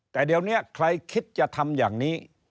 แต่เดี๋ยวนี้ใครคิดจะทำอย่างนี้